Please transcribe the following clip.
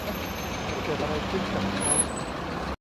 จะเกิดอะไรขึ้นกับเค้า